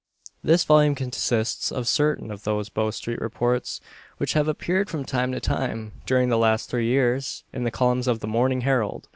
This volume consists of certain of those Bow Street Reports which have appeared from time to time, during the last three years, in the columns of the Morning Herald.